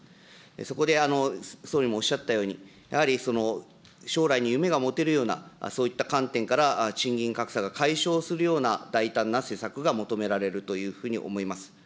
そこで総理もおっしゃったように、やはり将来に夢が持てるような、そういった観点から、賃金格差が解消するような大胆な施策が求められるというふうに思います。